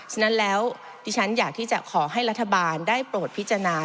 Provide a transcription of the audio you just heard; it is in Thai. ฉะนั้นแล้วที่ฉันอยากที่จะขอให้รัฐบาลได้โปรดพิจารณา